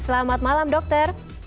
selamat malam dokter